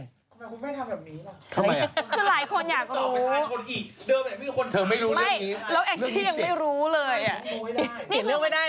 ทำไมคุณแม่ทำแบบนี้ล่ะคือหลายคนอยากรู้เธอไม่รู้เรื่องนี้